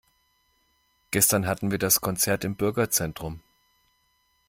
Gestern hatten wir das Konzert im Bürgerzentrum.